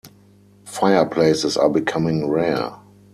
Fireplaces are becoming rare.